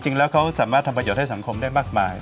จริงแล้วเขาสามารถทำประโยชน์ให้สังคมได้มากมาย